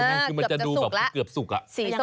คือมันจะดูแบบเกือบสุกอะ